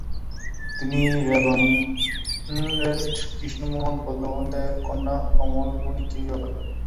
তিনি রেভারেন্ড কৃষ্ণমোহন বন্দ্যোপাধ্যায়ের কন্যা কমলমণিকে বিবাহ করেন।